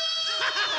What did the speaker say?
ハハハハ！